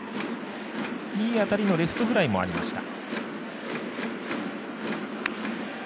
いい当たりのレフトフライもありました。